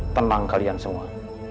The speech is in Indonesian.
tenang kalian semua